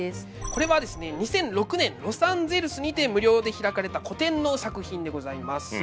これはですね２００６年ロサンゼルスにて無料で開かれた個展の作品でございます。